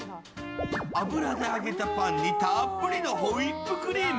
油で揚げたパンにたっぷりのホイップクリーム。